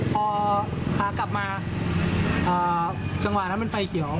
พอขากลับมาจังหวะนั้นมันไฟเขียว